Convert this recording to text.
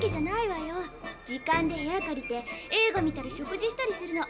時間で部屋借りて映画見たり食事したりするの。